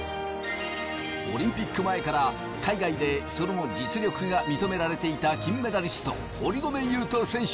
オリンピック前から海外でその実力が認められていた金メダリスト堀米雄斗選手。